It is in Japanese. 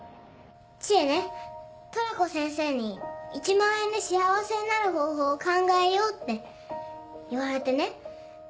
知恵ねトラコ先生に１万円で幸せになる方法考えようって言われてね。